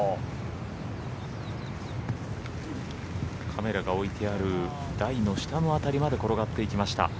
カメラが置いてある台の下の辺りまで転がっていきました。